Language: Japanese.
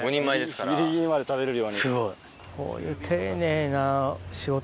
ギリギリまで食べれるように。